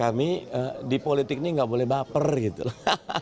kami di politik ini nggak boleh baper gitu loh